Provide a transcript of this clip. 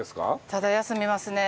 ただ休みますね。